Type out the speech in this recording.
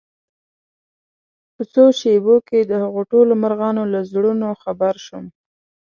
په څو شېبو کې دهغو ټولو مرغانو له زړونو خبر شوم